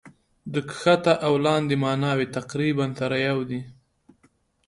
د کښته او لاندي ماناوي تقريباً سره يو دي.